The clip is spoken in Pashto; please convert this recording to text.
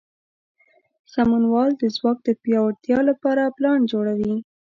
سمونوال د ځواک د پیاوړتیا لپاره پلان جوړوي.